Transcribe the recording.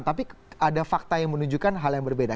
tapi ada fakta yang menunjukkan hal yang berbeda